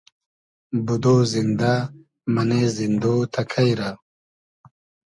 بودۉ زیندۂ مئنې زیندۉ تئکݷ رۂ